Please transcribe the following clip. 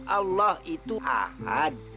allah itu ahad